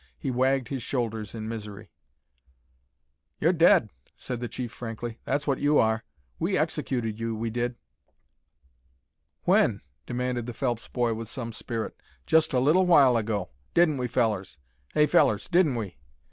He wagged his shoulders in misery. "You're dead," said the chief, frankly. "That's what you are. We executed you, we did." "When?" demanded the Phelps boy, with some spirit. "Just a little while ago. Didn't we, fellers? Hey, fellers, didn't we?"